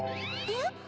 えっ？